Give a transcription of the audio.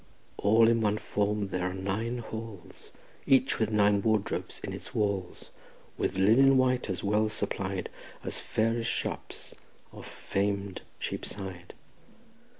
All of one form there are nine halls Each with nine wardrobes in its walls With linen white as well supplied As fairest shops of fam'd Cheapside.